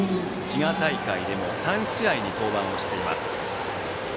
滋賀大会でも３試合に登板しています。